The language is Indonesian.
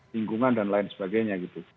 lingkungan dan lain sebagainya gitu